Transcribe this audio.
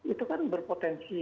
itu kan berpotensi